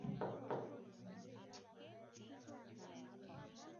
Tando za kamasi kufifia rangi